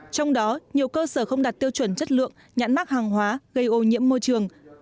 trong đó nhiều cơ sở không đạt tiêu chuẩn chất lượng nhãn mắc hàng hóa gây ô nhiễm môi trường